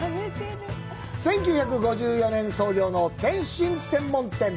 １９５４年創業の点心専門店。